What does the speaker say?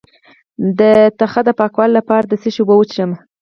د تخه د پاکوالي لپاره د څه شي اوبه وڅښم؟